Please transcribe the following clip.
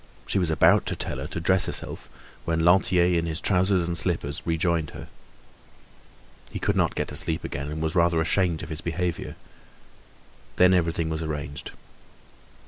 She was about to tell her to dress herself, when Lantier, in his trousers and slippers, rejoined her. He could not get to sleep again, and was rather ashamed of his behavior. Then everything was arranged.